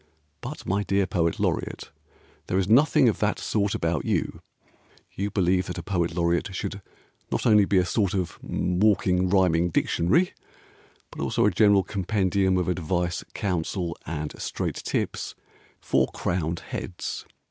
But my dear Poet Laureate, There is nothing of that sort about you. You believe that a Poet Laureate, Should not only be a sort of walking rhyming dictionary, But also a general compendium of advice, counsel, and straight tips For crowned heads.